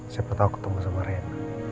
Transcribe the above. siapa tahu ketemu sama ren